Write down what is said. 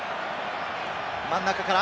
真ん中から。